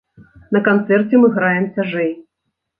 На канцэрце мы граем цяжэй.